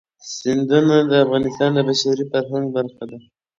سیندونه د افغانستان د بشري فرهنګ برخه ده.